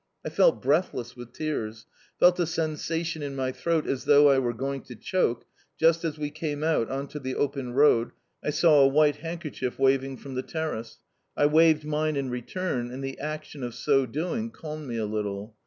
I felt breathless with tears felt a sensation in my throat as though I were going to choke, just as we came out on to the open road I saw a white handkerchief waving from the terrace. I waved mine in return, and the action of so doing calmed me a little.